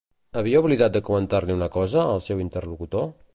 Havia oblidat de comentar-li una cosa, el seu interlocutor?